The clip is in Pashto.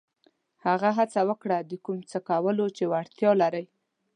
هغه څه وکړه د کوم څه کولو چې وړتیا لرئ.